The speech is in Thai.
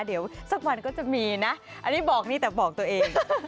เดี๋ยวสักวันก็จะมีนะอันนี้บอกนี่แต่บอกตัวเอง